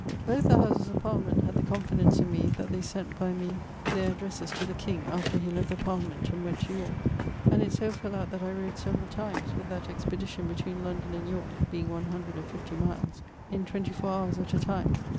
Both the houses of parlament had the confidence in me that they sent by me ther addresses to the king after he left the parlament and went to Yorke. And it so fell out that I rode severall times, with that expedition betwen London and Yorke (being one hundred and fivetey miles) in 24 hours at a time.